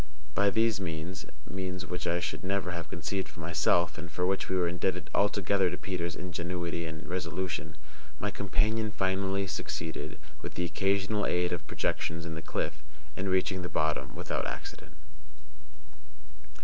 By these means (means which I should never have conceived of myself, and for which we were indebted altogether to Peters' ingenuity and resolution) my companion finally succeeded, with the occasional aid of projections in the cliff, in reaching the bottom without accident.